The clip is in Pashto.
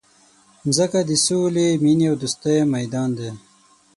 مځکه د سولي، مینې او دوستۍ میدان دی.